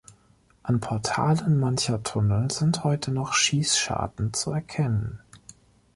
An Portalen mancher Tunnel sind heute noch Schießscharten zu erkennen.